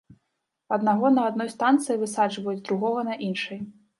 Аднаго на адной станцыі высаджваюць, другога на іншай.